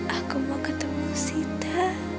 aku mau ketemu sita